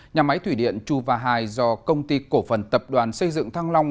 nhà máy thủy điện chu và hai do công ty cổ phần tập đoàn xây dựng thăng long